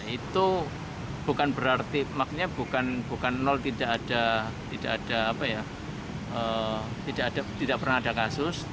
itu bukan berarti maksudnya bukan nol tidak ada apa ya tidak pernah ada kasus